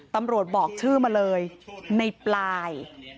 บอกชื่อมาเลยในปลาย